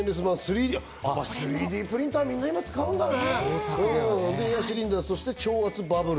あ３Ｄプリンター、みんな使うんだね。